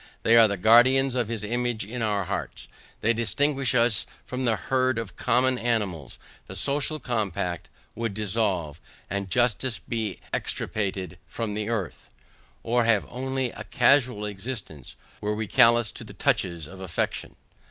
They are the guardians of his image in our hearts. They distinguish us from the herd of common animals. The social compact would dissolve, and justice be extirpated from the earth, or have only a casual existence were we callous to the touches of affection.